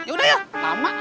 yaudah ya sama